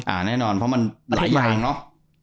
แน่นอนเพราะมันหลายอย่างเนอะ